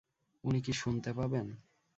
উনি কি শুনতে পাবেন?